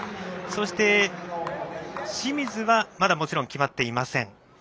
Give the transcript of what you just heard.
そして、清水はまだもちろん決まっていません。